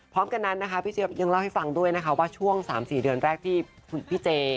พร้อมกันนั้นนะคะพี่เจี๊ยบยังเล่าให้ฟังด้วยนะคะว่าช่วง๓๔เดือนแรกที่พี่เจ